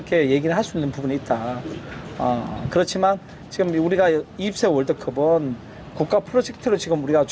saya juga mengatakan banyak hal tersebut kepada pemerintah pemerintah